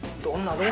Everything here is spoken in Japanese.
どんな？